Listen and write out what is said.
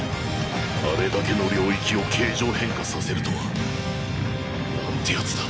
あれだけの領域を形状変化させるとは。なんてヤツだ。